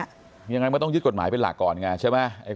ยังไงมันต้องยึดกฎหมายเป็นหลักก่อนไงใช่ไหม